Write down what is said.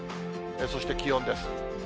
そして気温です。